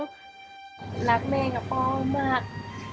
รักแม่กับพ่อมาก